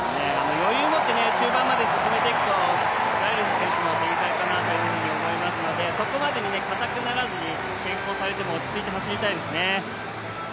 余裕をもって中盤まで進めていくと、ライルズ選手のレースかなと思うのでそこまでにかたくならずに先行されても落ち着いて走りたいですね。